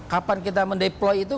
kapan kita mendeploy itu